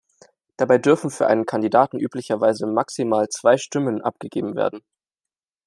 Dabei dürfen für einen Kandidaten üblicherweise maximal zwei Stimmen abgegeben werden.